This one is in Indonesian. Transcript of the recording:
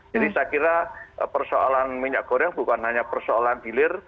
jadi saya kira persoalan minyak goreng bukan hanya persoalan gilir